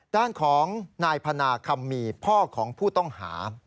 ด้านของนายพนาคัมมีพ่อของผู้ต้องหา